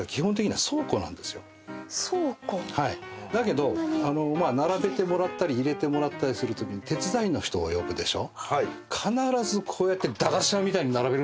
だけど並べてもらったり入れてもらったりするときに手伝いの人を呼ぶでしょ。